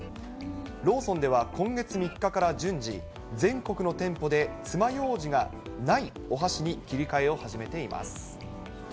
ローソンでは今月３日から順次、全国の店舗でつまようじがないお箸に切り替えを始めています。